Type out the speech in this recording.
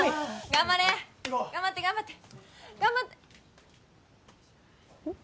頑張れー頑張って頑張って頑張ってうんっ？